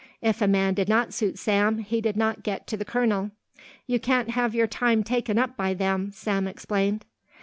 If a man did not suit Sam, he did not get to the colonel. "You can't have your time taken up by them," Sam explained.